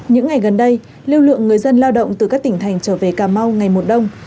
những ngày gần đây lưu lượng người dân lao động từ các tỉnh thành trở về cà mau ngày mùa đông